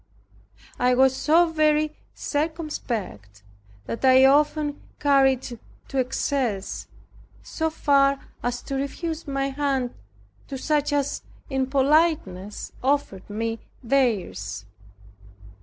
I was so very circumspect that I often carried it to excess, so far as to refuse my hand to such as in politeness offered me theirs.